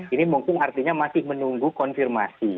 ini mungkin artinya masih menunggu konfirmasi